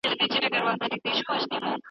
هلک او نجلۍ څنګه د يو بل له قوم څخه خبريږي؟